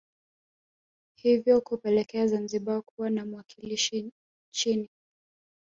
Hivyo kupelekea Zanzibar kuwa na mwakilishi nchini